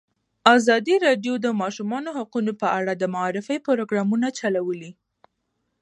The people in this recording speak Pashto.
ازادي راډیو د د ماشومانو حقونه په اړه د معارفې پروګرامونه چلولي.